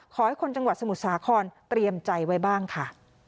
ขอให้คนจังหวัดสมุทรสาครเตรียมใจไว้บ้างค่ะ